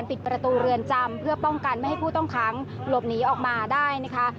เพื่อป้องกันไม่ให้ผู้ต้องขังหลบหนีออกมาได้นะคะ